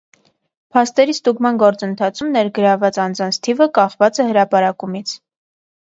Փաստերի ստուգման գործընթացում ներգրավված անձանց թիվը կախված է հրապարակումից։